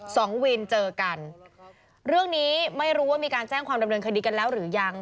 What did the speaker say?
สองวินเจอกันเรื่องนี้ไม่รู้ว่ามีการแจ้งความดำเนินคดีกันแล้วหรือยัง